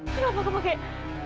kenapa kau bekit